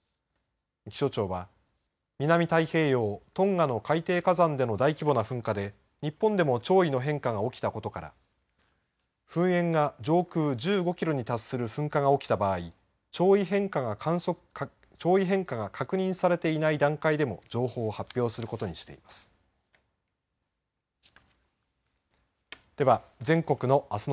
気象庁は南太平洋・トンガの海底火山での大規模な噴火で日本でも潮位の変化が起きたことから噴煙が上空１５キロに達する噴火が起きた場合潮位変化が確認されていない段階でも情報を発表することにしています。